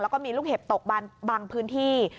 แล้วก็มีลูกเห็บตกบางพื้นที่